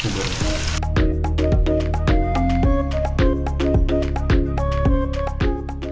jadi kita harus gosong